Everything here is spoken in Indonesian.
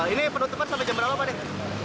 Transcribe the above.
ini penutupan sampai jam berapa deh